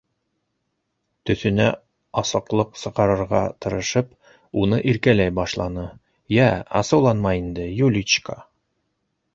Төҫөнә асыҡлыҡ сығарырға тырышып, уны иркәләй башланы: - Йә, асыуланма инде, Юличка!